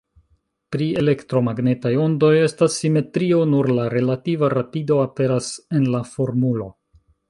Pri elektromagnetaj ondoj estas simetrio, nur la relativa rapido aperas en la formulo.